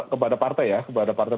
kepada partai ya kepada partai